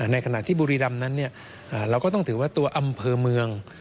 ในขณะที่บุรีรำนั้นเราก็ต้องถือว่าตัวอำเภอเมือง